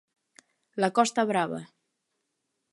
La costa brava